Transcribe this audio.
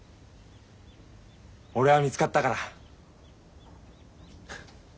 俺は見つかったから。